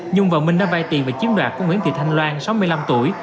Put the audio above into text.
nhung và minh đã vai tiền về chiếm đoạt của nguyễn thị thanh loan sáu mươi năm tuổi